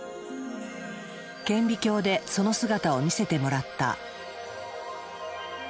顕微鏡でその姿を見せてもらった。